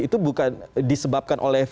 itu bukan disebabkan oleh